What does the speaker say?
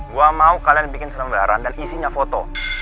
gue mau kalian bikin serembaran dan isinya foto